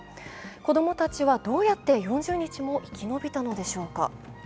子供たちはどうやって４０日も生き延びたのでしょうか。